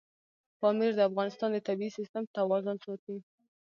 پامیر د افغانستان د طبعي سیسټم توازن ساتي.